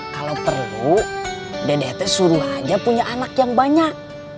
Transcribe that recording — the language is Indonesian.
kalau perlu dedeks suruh aja punya anak yang banyak